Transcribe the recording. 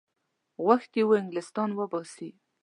غوښتي وه انګلیسیان وباسي.